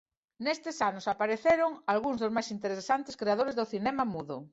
Nestes anos apareceron algúns dos máis interesantes creadores do cinema mudo.